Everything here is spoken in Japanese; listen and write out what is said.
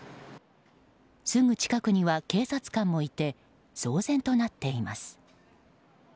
すぐ近くには警察官もいて騒然となっています。